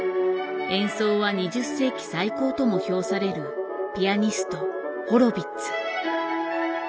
演奏は２０世紀最高とも評されるピアニストホロヴィッツ。